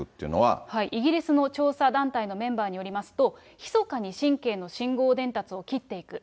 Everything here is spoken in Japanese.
イギリスの調査団体のメンバーによりますと、ひそかに神経の信号伝達を切っていく。